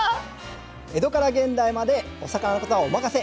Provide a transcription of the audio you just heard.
江戸から現代までお魚の事はお任せ！